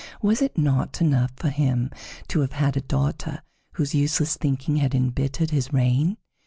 Was it not enough for him to have had a daughter whose useless thinking had embittered his reign?